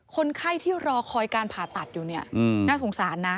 คนไข้ที่รอคอยการผ่าตัดอยู่เนี่ยน่าสงสารนะ